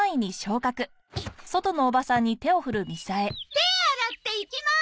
手洗って行きます！